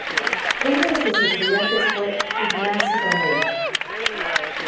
Uno de sus estudiantes fue Ignacy Domeyko.